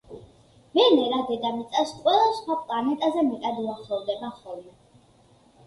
ვენერა დედამიწას ყველა სხვა პლანეტაზე მეტად უახლოვდება ხოლმე.